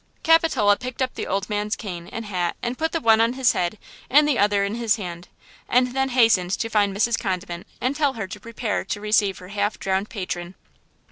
Capitola picked up the old man's cane and hat and put the one on his head and the other in his hand, and then hastened to find Mrs. Condiment and tell her to prepare to receive her half drowned patron.